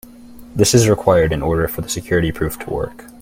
This is required in order for the security proof to work.